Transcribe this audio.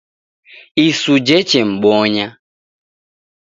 Isu jichemmbonya